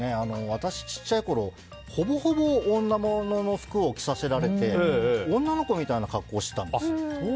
私小さいころ、ほぼほぼ女ものの服を着させられて女の子みたいな格好してたんです。